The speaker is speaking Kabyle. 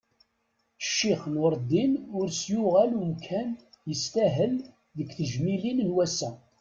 Ccix Nurdin ur s-yuɣal umkan yestahel deg tejmilin n wassa.